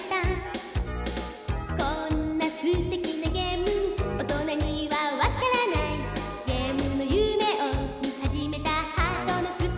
「こんなすてきなゲーム大人にはわからない」「ゲームの夢をみはじめたハートのストーリー」